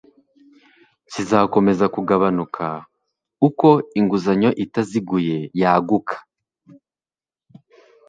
kizakomeza kugabanuka uko inguzanyo itaziguye yaguka